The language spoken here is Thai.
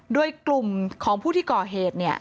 ด้วยกลุ่มของผู้ที่ก่อเหตุ